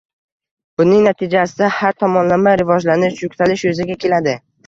Buning natijasida har tomonlama rivojlanish, yuksalish yuzaga keladi